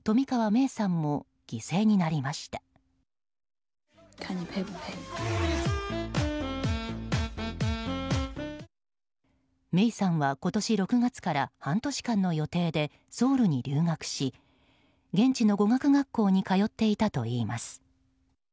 芽生さんは今年６月から半年間の予定でソウルに留学し現地の語学学校に通っていたということです。